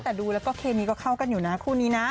แต่ดูแล้วก็เคมีก็เข้ากันอยู่นะคู่นี้นะ